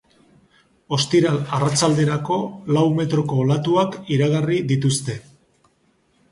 Ostiral arratsalderako, lau metroko olatuak iragarrri dituzte.